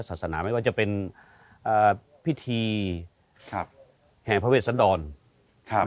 ศาสนาไม่ว่าจะเป็นพิธีครับแห่พระเวสดรครับ